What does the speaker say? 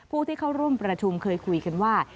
ผู้ที่เข้าร่วมประชุมเคยคุยกันว่า